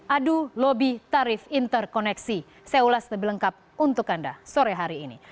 adu lobi tarif interkoneksi saya ulas lebih lengkap untuk anda sore hari ini